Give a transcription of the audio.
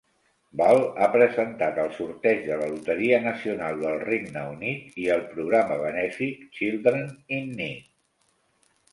Ball ha presentat el sorteig de la loteria nacional del Regne Unit i el programa benèfic "Children in Need".